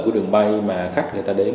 của đường bay mà khách người ta đến